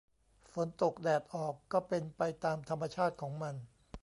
ฝนตกแดดออกก็เป็นไปตามธรรมชาติของมัน